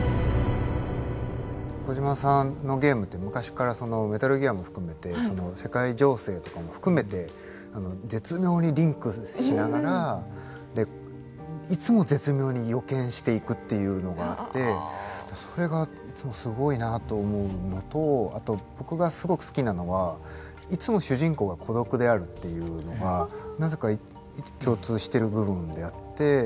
小島さんのゲームって昔から「メタルギア」も含めて世界情勢とかも含めて絶妙にリンクしながらいつも絶妙に予見していくっていうのがあってそれがいつもすごいなと思うのとあと僕がすごく好きなのはいつも主人公が孤独であるっていうのがなぜか共通してる部分であって。